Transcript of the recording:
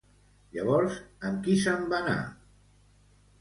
Llavors, amb qui se'n va anar?